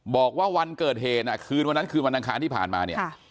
บอกว่าวันเกิดเหตุคืนวันนั้นคืนวันอังคารที่ผ่านมาเนี่ย